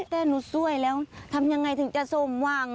แต่หนูสวยแล้วทำยังไงถึงจะสมหวัง